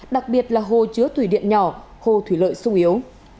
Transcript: đặc biệt là hồ chứa thủy điện nhỏ hồ thủy lợi sung yếu